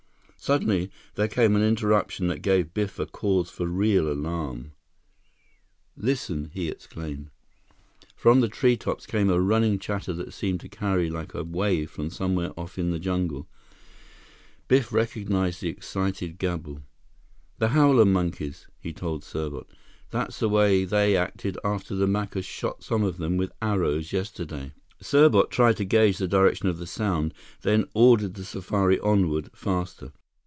Suddenly, there came an interruption that gave Biff a cause for real alarm. "Listen!" he exclaimed. From the treetops came a running chatter that seemed to carry like a wave from somewhere off in the jungle. Biff recognized the excited gabble. "The howler monkeys!" he told Serbot. "That's the way they acted after the Macus shot some of them with arrows yesterday!" Serbot tried to gauge the direction of the sound, then ordered the safari onward, faster.